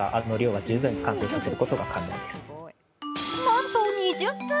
なんと２０分。